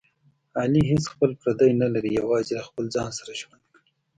علي هېڅ خپل پردی نه لري، یوازې له خپل ځان سره ژوند کوي.